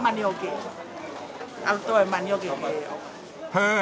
へえ。